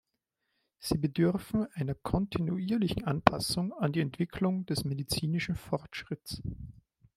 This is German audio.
Sie bedürfen einer kontinuierlichen Anpassung an die Entwicklung des medizinischen Fortschritts.